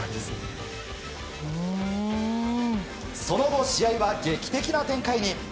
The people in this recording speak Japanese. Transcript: その後、試合は劇的な展開に。